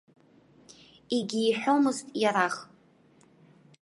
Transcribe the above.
Егьиҳәомызт иарах.